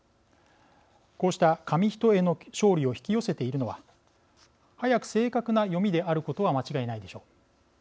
こうした紙一重の勝利を引き寄せているのは速く正確な読みであることは間違いないでしょう。